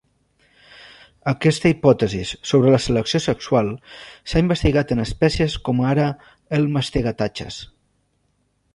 Aquesta hipòtesi sobre la selecció sexual s'ha investigat en espècies com ara el mastegatatxes.